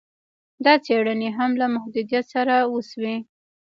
دا څېړني هم له محدویت سره وسوې